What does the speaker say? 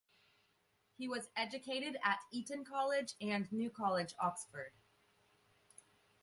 He was educated at Eton College and New College, Oxford.